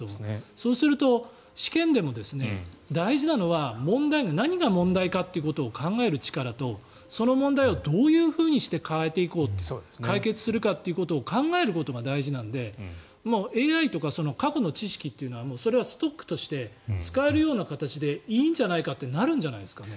そうすると、試験でも大事なのは何が問題かということを考える力と、その問題をどういうふうにして変えていこう解決するかということを考えることが大事なのでＡＩとか過去の知識というのはそれはストックとして使えるような形でいいんじゃないかとなるんじゃないですかね。